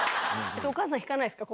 お母さん、引かないですか？